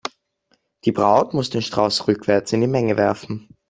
Die Braut muss den Strauß rückwärts in die Menge werfen.